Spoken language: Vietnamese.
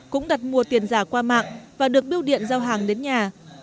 cũng đặt mua tiền giả qua mạng và được biêu điện giao hàng đến nhà